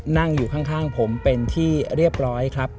นั่งอยู่ข้างผมเป็นที่เรียบร้อยครับ